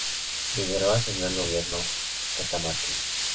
Figueroa asumió el gobierno catamarqueño.